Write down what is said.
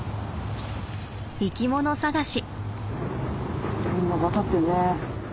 生き物探し。